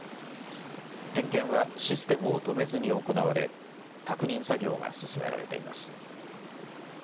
点検はシステムを止めずに行われ確認作業が進められています。